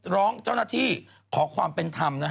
ร้องเจ้าหน้าที่ขอความเป็นธรรม